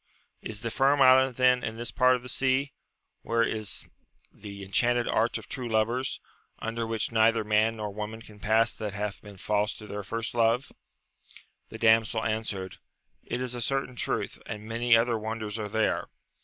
— Is the Firm Island then in this part of the sea, where is the enchanted arch of true lovers, under which neither man nor woman can pass that hath been false to their first love % The damsel answered, It is a certain truth, and many other wonders are there.